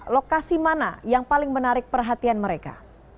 lokasi mana yang paling menarik perhatian mereka